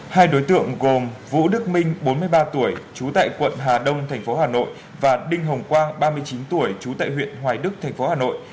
hai đối tượng gồm vũ đức minh bốn mươi ba tuổi trú tại quận hà đông tp hà nội và đinh hồng quang ba mươi chín tuổi trú tại huyện hoài đức tp hà nội